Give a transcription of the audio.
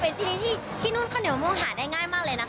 เป็นสิริทธิ์ที่นู่นคอนเหนือมะมุงหาได้ง่ายมากเลยนะ